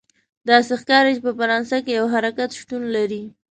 داسې ښکاري چې په فرانسه کې یو حرکت شتون لري.